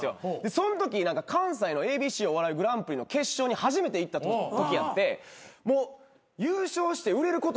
そんとき関西のＡＢＣお笑いグランプリの決勝に初めて行ったときやってもう優勝して売れることをずっと考えてるんです一人で。